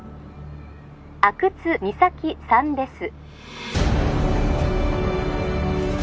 ☎阿久津実咲さんです